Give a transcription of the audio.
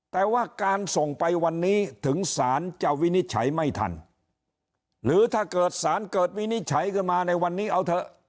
แต่ว่าการส่งไปวันนี้ถึงสารจะวินิจฉัยไม่ทันหรือถ้าเกิดสารเกิดวินิจฉัยขึ้นมาในวันนี้เอาเถอะ